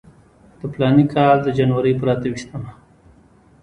د فلاني کال د جنورۍ پر اته ویشتمه.